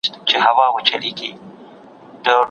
هلته به دا ډبره اور واخلي او په کوچنیو ټوټو به وویشل شي.